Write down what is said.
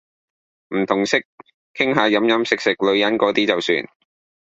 唔同色，傾下飲飲食食女人嗰啲就算